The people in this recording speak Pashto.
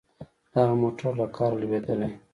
دغه موټر له کاره لوېدلی.